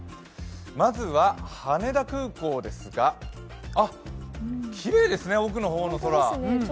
まずは羽田空港ですがあっ、きれいですね、奥の方の空。